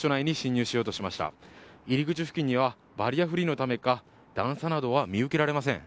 入り口付近にはバリアフリーのためか段差などは見受けられません。